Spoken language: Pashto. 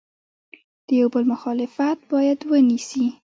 د یو بل مخالفت باید ونسي.